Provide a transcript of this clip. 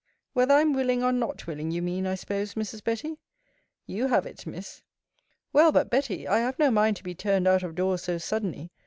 Whether I am willing or not willing, you mean, I suppose, Mrs. Betty? You have it, Miss. Well but, Betty, I have no mind to be turned out of doors so suddenly.